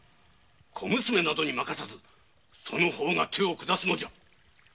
小娘などに任せずその方が手を下すのじゃ！